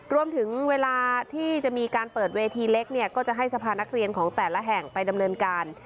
เวลาที่จะมีการเปิดเวทีเล็กเนี่ยก็จะให้สภานักเรียนของแต่ละแห่งไปดำเนินการ